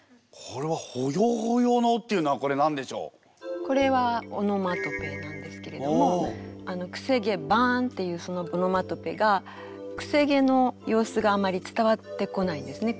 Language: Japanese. これはこれはオノマトペなんですけれども「くせ毛バーン」っていうそのオノマトペがくせ毛の様子があまり伝わってこないんですね。